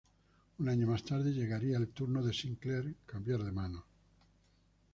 Un año más tarde, llegaría el turno de Sinclair cambiar de manos.